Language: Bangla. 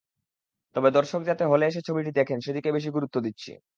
তবে দর্শক যাতে হলে এসে ছবিটি দেখেন, সেদিকে বেশি গুরুত্ব দিচ্ছি।